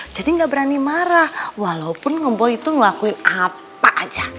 jadi gak berani marah walaupun nge boy itu ngelakuin apa aja